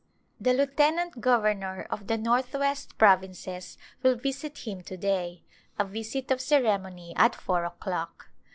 The Lieutenant Governor of the Northwest Provinces will visit him to day — a visit of ceremony at four o'clock.